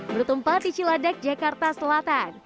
bertempat di ciladak jakarta selatan